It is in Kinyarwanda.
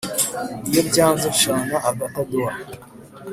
Iyo byanze nshana agatadowa